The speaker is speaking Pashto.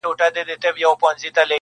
واک د زړه مي عاطفو ته ورکړ ځکه-